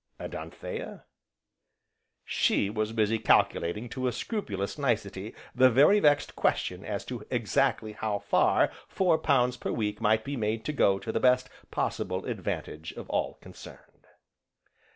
And Anthea? She was busy calculating to a scrupulous nicety the very vexed question as to exactly how far four pounds per week might be made to go to the best possible advantage of all concerned.